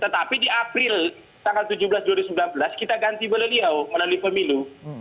tetapi di april tanggal tujuh belas dua ribu sembilan belas kita ganti beliau melalui pemilu